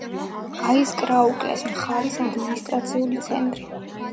აიზკრაუკლეს მხარის ადმინისტრაციული ცენტრი.